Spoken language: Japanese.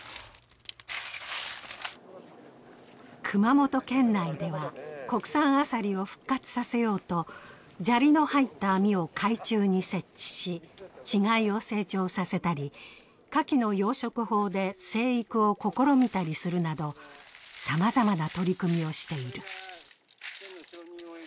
熊本県内では、国産アサリを復活させようと砂利の入った網を海中に設置し稚貝を成長させたり、カキの養殖法で成育を試みたりするなど、さまざまな取り組みをしている。